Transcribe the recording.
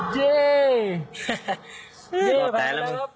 เย้